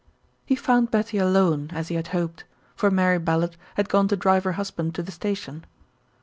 He found Betty alone as he had hoped, for Mary Ballard had gone to drive her husband to the station.